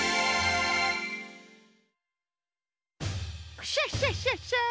クシャシャシャシャ！